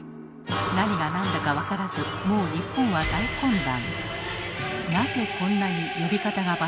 何が何だか分からずもう日本は大混乱。